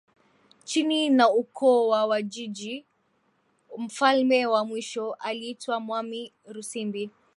Chini na ukoo wa wajiji mfalme wa mwisho aliitwa mwami rusimbi